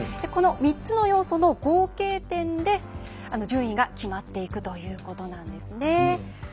この３つの要素の合計点で順位が決まっていくんです。